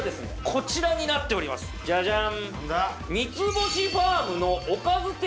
こちらになっておりますジャジャン！